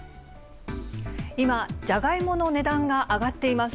今、ジャガイモの値段が上がっています。